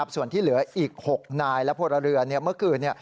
ส่วนที่เหลืออีก๖นายและพลเรือนเมื่อคืน